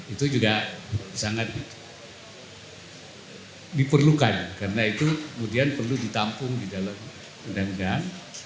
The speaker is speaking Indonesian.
itu juga sangat diperlukan karena itu kemudian perlu ditampung di dalam undang undang